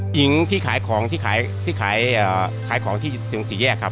หญิงที่ขายของที่ขายที่ขายของที่ถึงสี่แยกครับ